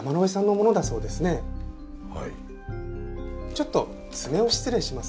ちょっと爪を失礼します。